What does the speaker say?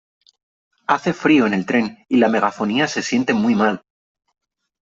Hace frío en el tren y la megafonía se siente muy mal.